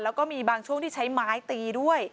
แล้วก็มีบางช่วงที่ใช้ไม้ตีด้วย